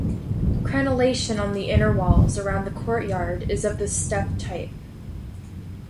Crenellation on the inner walls around the courtyard is of the stepped type.